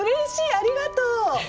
ありがとう！